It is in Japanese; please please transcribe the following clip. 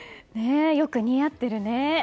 よく似合ってるね。